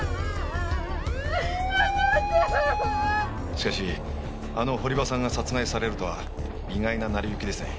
しかしあの堀場さんが殺害されるとは意外な成り行きですね。